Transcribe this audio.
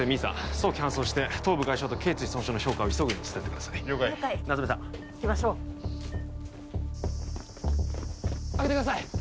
早期搬送して頭部外傷と頸椎損傷の評価を急ぐように伝えてください夏梅さん行きましょう開けてください